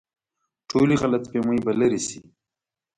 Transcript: ټولې غلط فهمۍ به لرې شي.